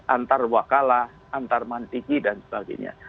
antar wakalah antar mantigi dan sebagainya